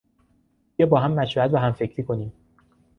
بیا با هم مشورت و همفکری کنیم.